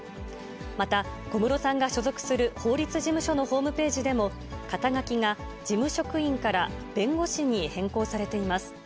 また、小室さんが所属する法律事務所のホームページでも、肩書が事務職員から弁護士に変更されています。